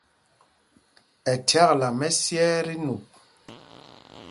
Ɛ chyakla mɛ́syɛɛ tí nup.